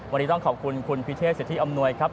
วันนี้ต้องขอบคุณคุณพิเชษสิทธิอำนวยครับ